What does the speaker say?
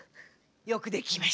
よくできました。